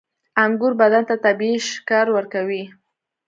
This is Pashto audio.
• انګور بدن ته طبیعي شکر ورکوي.